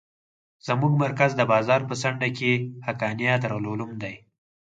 زموږ مرکز د بازار په څنډه کښې حقانيه دارالعلوم دى.